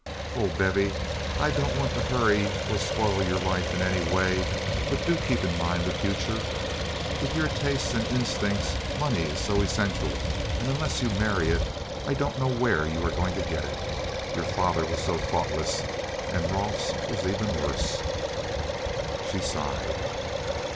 Oh, Bevy, I don't want to hurry or spoil your life in any way, but do keep in mind the future. With your tastes and instincts money is so essential, and unless you marry it I don't know where you are to get it. Your father was so thoughtless, and Rolfe's was even worse." She sighed.